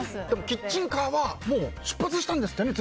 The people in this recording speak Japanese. キッチンカーはもう出発したんですってね